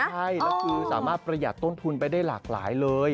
ใช่แล้วคือสามารถประหยัดต้นทุนไปได้หลากหลายเลย